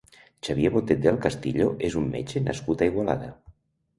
Xavier Botet del Castillo és un metge nascut a Igualada.